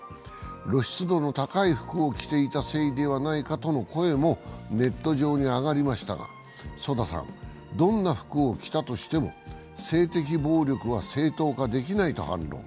露出度の高い服を着ていたせいではないかとの声もネット上に上がりましたがＳＯＤＡさん、どんな服を着たとしても性的暴力は正当化できないと反論。